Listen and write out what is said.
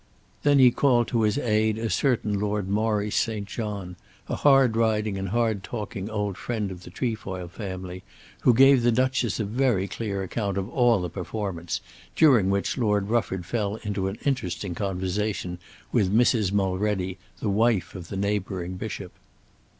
Then he called to his aid a certain Lord Maurice St. John, a hard riding and hard talking old friend of the Trefoil family who gave the Duchess a very clear account of all the performance, during which Lord Rufford fell into an interesting conversation with Mrs. Mulready, the wife of the neighbouring bishop.